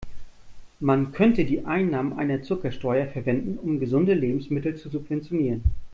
Man könnte die Einnahmen einer Zuckersteuer verwenden, um gesunde Lebensmittel zu subventionieren.